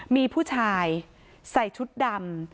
มีผู้ชายใส่ชุดดำ